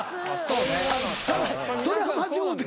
酒井それは間違うてる。